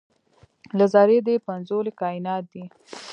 له ذرې دې پنځولي کاینات دي